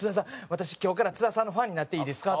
私今日から津田さんのファンになっていいですか？」